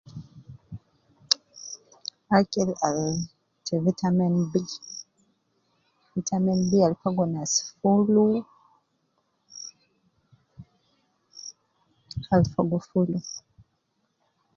Akil al te vitamin B,vitamin B al fogo nas fulu, al fogo fulu